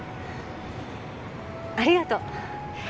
ありがとう。